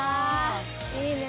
いいね。